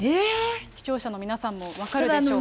視聴者の皆さんも分かるでしょうか。